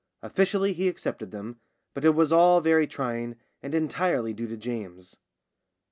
Officially he accepted them, but it was all very trying, and entirely due to James.